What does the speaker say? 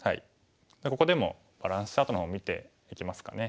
ここでもバランスチャートの方見ていきますかね。